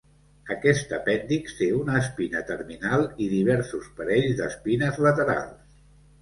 Aquest apèndix té una espina terminal i diversos parells d'espines laterals.